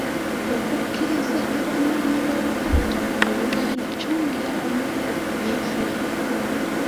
Okukkiriza abanoonyiboobubudamu mu Uganda kyongera omugugu ku byenfuna.